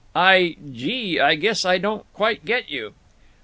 "I—gee! I guess I don't quite get you."